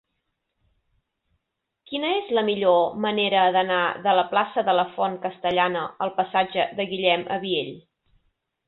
Quina és la millor manera d'anar de la plaça de la Font Castellana al passatge de Guillem Abiell?